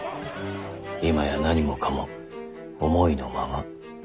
今や何もかも思いのまま。